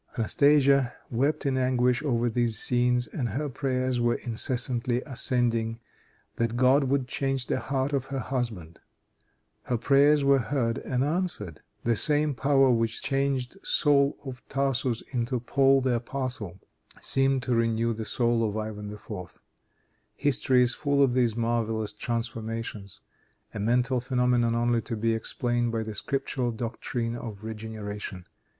Anastasia wept in anguish over these scenes, and her prayers were incessantly ascending, that God would change the heart of her husband. Her prayers were heard and answered. The same power which changed Saul of Tarsus into Paul the Apostle, seemed to renew the soul of Ivan IV. History is full of these marvelous transformations a mental phenomenon only to be explained by the scriptural doctrine of regeneration.